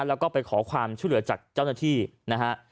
แล้วก็ไปขอความช่วยเหลือจากเจ้าหน้าที่นะฮะ